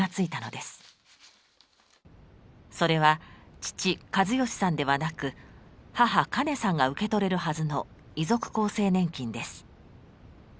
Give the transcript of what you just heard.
それは父・計義さんではなく母・カネさんが受け取れるはずの遺族厚生年金です。